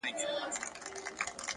د تمرکز دوام بریا تضمینوي.